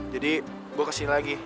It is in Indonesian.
jadi gua kasih lagi